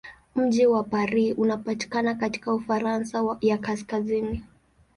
Mji wa Paris unapatikana katika Ufaransa ya kaskazini.